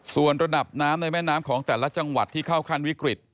ส่วนระดับน้ำในแม่น้ำของแต่ละจังหวัดที่เข้าขั้นวิกฤต